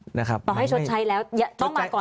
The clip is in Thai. ต่อให้ชดใช้แล้วต้องมาก่อน